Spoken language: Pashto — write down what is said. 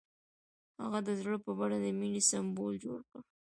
هغه د زړه په بڼه د مینې سمبول جوړ کړ.